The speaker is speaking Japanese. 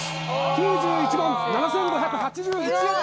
９１万７，５８１円です。